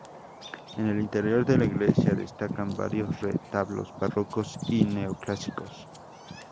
En el interior de la iglesia, destacan varios retablos barrocos y neoclásicos.